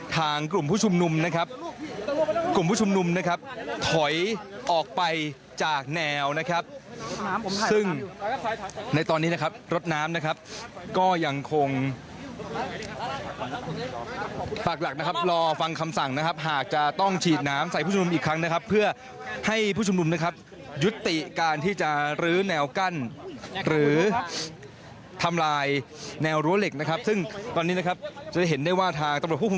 กลุ่มผู้ชุมนุมนะครับกลุ่มผู้ชุมนุมนะครับถอยออกไปจากแนวนะครับซึ่งในตอนนี้นะครับรถน้ำนะครับก็ยังคงปากหลักนะครับรอฟังคำสั่งนะครับหากจะต้องฉีดน้ำใส่ผู้ชมนุมอีกครั้งนะครับเพื่อให้ผู้ชุมนุมนะครับยุติการที่จะลื้อแนวกั้นหรือทำลายแนวรั้วเหล็กนะครับซึ่งตอนนี้นะครับจะเห็นได้ว่าทางตำรวจผู้